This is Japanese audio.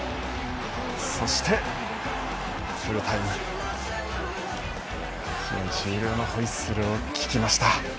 そしてフルタイム試合終了のホイッスルを聞きました。